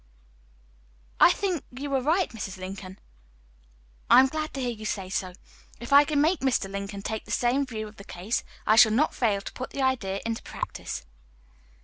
"I think that you are right, Mrs. Lincoln." "I am glad to hear you say so. If I can make Mr. Lincoln take the same view of the case, I shall not fail to put the idea into practice."